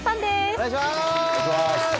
お願いします